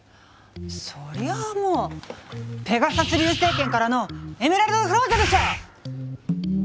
そりゃあもうペガサス流星拳からのエメラルドフロウジョンでしょ！